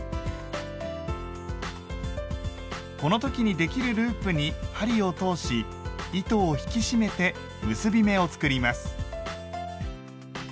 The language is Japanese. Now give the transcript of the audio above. この時にできるループに針を通し糸を引き締めて結び目を作ります。